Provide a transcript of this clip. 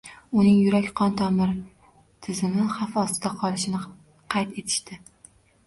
Uning yurak-qon tomir tizimi xavf ostida qolishini qayd etishdi